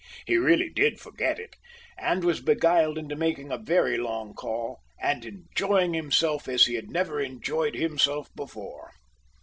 He really did forget it, and was beguiled into making a very long call, and enjoying himself as he had never enjoyed himself before.